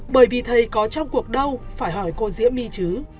bởi vì thầy có trong cuộc đâu phải hỏi cô diễm my chứ